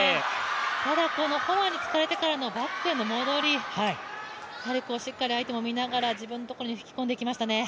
ただ、フォアに突かれてからのバックへの戻り、しっかり相手も見ながら自分のところに引き込んできましたね。